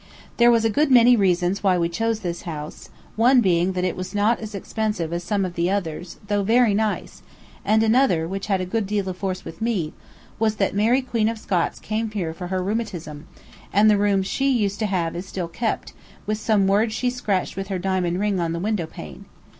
There was a good many reasons why we chose this house, one being that it was not as expensive as some of the others, though very nice; and another, which had a good deal of force with me, was, that Mary Queen of Scots came here for her rheumatism, and the room she used to have is still kept, with some words she scratched with her diamond ring on the window pane.